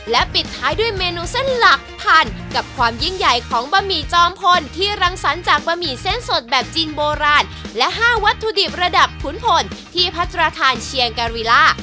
และปิดท้ายด้วยเมนูเส้นหลักพันกับความยิ่งใหญ่ของบะหมี่จอมพลที่รังสรรค์จากบะหมี่เส้นสดแบบจีนโบราณและ๕วัตถุดิบระดับขุนพลที่พัฒนาทานเชียงการีล่า